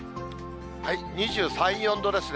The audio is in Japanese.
２３、４度ですね。